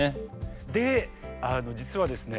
で実はですね